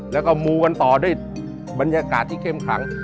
แล้วก็มูกันต่อด้วยบรรยากาศที่เข้มขัง